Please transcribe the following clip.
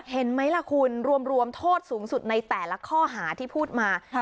เห็นไหมล่ะคุณรวมโทษสูงสุดในแต่ละข้อหาที่พูดมา